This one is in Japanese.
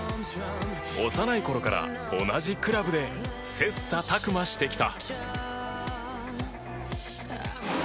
幼いころから同じクラブで切磋琢磨してきた。